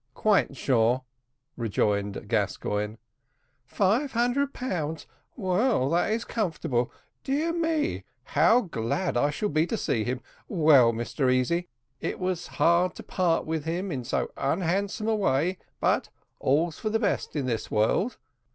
"Quite sure," rejoined Gascoigne. "Five hundred pounds! Well, that is comfortable dear me! how glad I shall be to see him! Well, Mr Easy, it was hard to part with him in so unhandsome a way but all's for the best in this world.